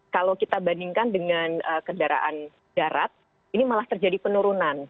kalau kita bandingkan dengan kendaraan darat ini malah terjadi penurunan